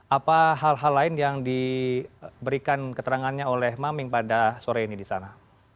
apa hal hal lain yang diberikan keterangannya oleh maming pada sore ini di sana